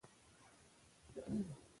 د هغې پر قبر اختلاف پای ته ورسوه.